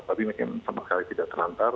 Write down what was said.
tapi mungkin sempat kali tidak terlantar